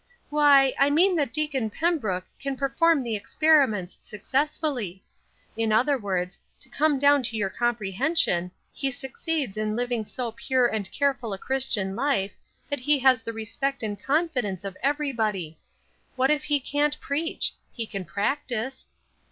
"Why, I mean that Deacon Pembrook can perform the experiments successfully. In other words, to come down to your comprehension, he succeeds in living so pure and careful a Christian life that he has the respect and confidence of everybody. What if he can't preach? He can practice.